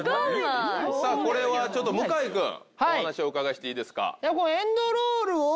さぁこれはちょっと向井君お話をお伺いしていいですか？